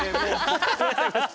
ハハハハ！